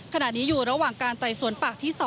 ขณะนี้อยู่ระหว่างการไต่สวนปากที่๒